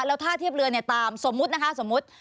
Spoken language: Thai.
แล้วท่าเทียบเรือตามสมมตินะคะสมมติ